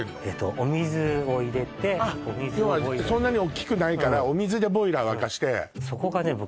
えっとお水を入れてあっ要はそんなに大きくないからお水でボイラー沸かしてそこがね